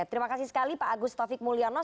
terima kasih sekali pak agus taufik mulyono